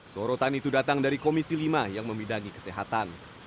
sorotan itu datang dari komisi lima yang memidangi kesehatan